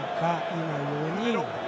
今は４人。